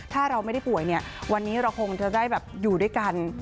ถ้าเราไม่ได้ป่วยเนี่ยวันนี้เราคงจะได้แบบอยู่ด้วยกัน